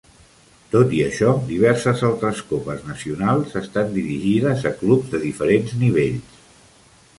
Tot i això, diverses altres copes nacionals estan dirigides a clubs de diferents nivells.